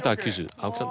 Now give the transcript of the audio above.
青木さん